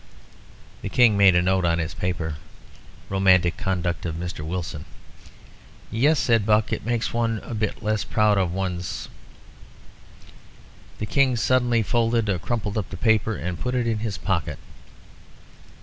The King made a note on his paper "Romantic Conduct of Mr. Wilson." "Yes," said Buck; "it makes one a bit less proud of one's h's." The King suddenly folded or crumpled up the paper, and put it in his pocket.